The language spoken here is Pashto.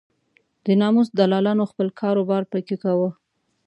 د ناموس دلالانو خپل کار و بار په کې کاوه.